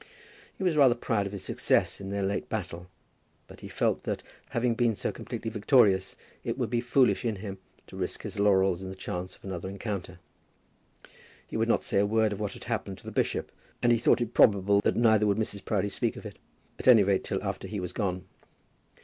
He was rather proud of his success in their late battle, but he felt that, having been so completely victorious, it would be foolish in him to risk his laurels in the chance of another encounter. He would say not a word of what had happened to the bishop, and he thought it probable that neither would Mrs. Proudie speak of it, at any rate till after he was gone.